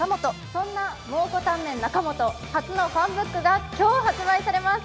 そんな蒙古タンメン中本、初のファンブックが今日発売されます。